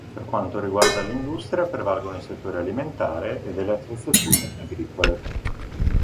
Per quanto riguarda l'industria prevalgono i settori alimentare e delle attrezzature agricole.